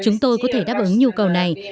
chúng tôi có thể đáp ứng nhu cầu này